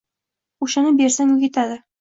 O‘shani bersang u ketadi.